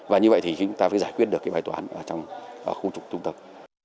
và như vậy thì chúng ta phải giải quyết được bài toán trong khu trung tâm